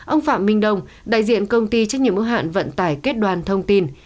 ông phạm minh đông đại diện công ty trách nhiệm hạn vận tải kết đoàn thông tin